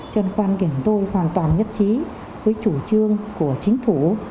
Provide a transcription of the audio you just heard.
cho nên quan điểm tôi hoàn toàn nhất trí với chủ trương của chính phủ